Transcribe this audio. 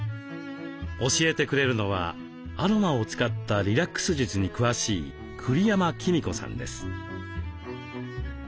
教えてくれるのはアロマを使ったリラックス術に詳しい栗山貴美子さんです。